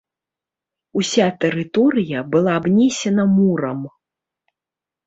Уся тэрыторыя была абнесена мурам.